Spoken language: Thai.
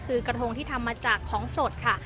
คือกระทงที่ทำมาจากของสดค่ะ